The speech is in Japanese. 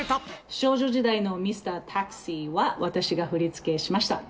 少女時代のＭＲＴＡＸＩは私が振り付けしました。